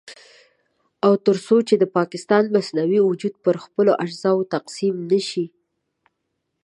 او تر څو چې د پاکستان مصنوعي وجود پر خپلو اجزاوو تقسيم نه شي.